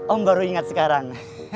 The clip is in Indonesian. om baru ingat sekarang